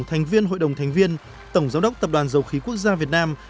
thành viên hội đồng thành viên tổng giám đốc tập đoàn dầu khí quốc gia việt nam